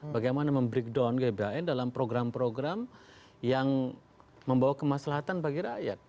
bagaimana membreakdown gbhn dalam program program yang membawa kemaslahan bagi rakyat